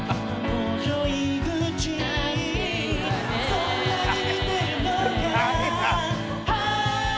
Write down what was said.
「そんなに似てるのかな」